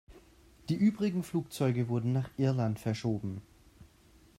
Die übrigen Flugzeuge wurden nach Irland verschoben.